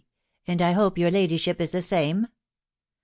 • and I hope your ladyship is the same.